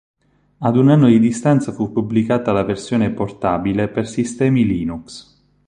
Ad un anno di distanza fu pubblicata la versione portabile per sistemi Linux.